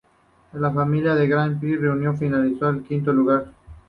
En la final del Grand Prix Júnior finalizó en quinto lugar.